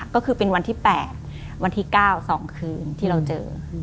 ก็คือเป็นวันที่๘วันที่๙๒คืนที่เราเจอ